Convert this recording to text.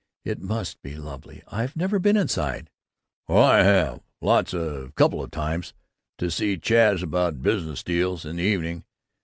It must be lovely. I've never been inside." "Well, I have! Lots of couple of times. To see Chaz about business deals, in the evening.